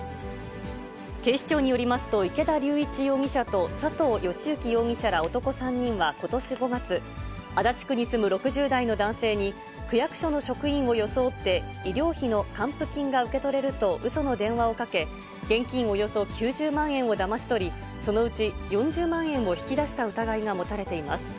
警視庁によりますと、池田龍一容疑者と佐藤義行容疑者ら男３人はことし５月、足立区に住む６０代の男性に、区役所の職員を装って、医療費の還付金が受け取れるとうその電話をかけ、現金およそ９０万円をだまし取り、そのうち４０万円を引き出した疑いが持たれています。